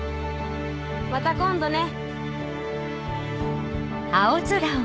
また今度ね。